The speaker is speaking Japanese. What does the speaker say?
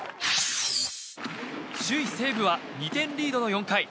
首位、西武は２点リードの４回。